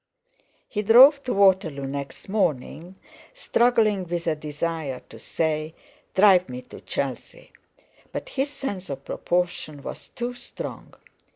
He drove to Waterloo next morning, struggling with a desire to say: "Drive me to Chelsea." But his sense of proportion was too strong.